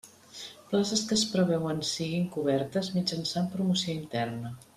Places que es preveuen siguin cobertes mitjançant promoció interna.